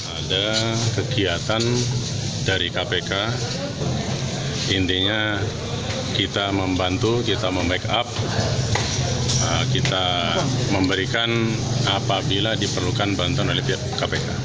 ada kegiatan dari kpk intinya kita membantu kita mem make up kita memberikan apabila diperlukan bantuan oleh pihak kpk